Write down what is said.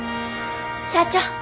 社長！